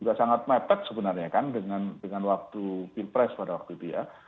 juga sangat mepet sebenarnya kan dengan waktu pilpres pada waktu itu ya